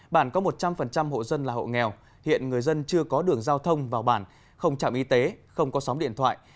bản có một trăm linh hộ dân là hộ nghèo hiện người dân chưa có đường giao thông vào bản không trạm y tế không có sóng điện thoại